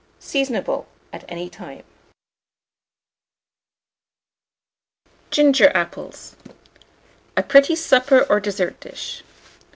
Seasonable at any time. GINGER APPLES. (A pretty Supper or Dessert Dish.)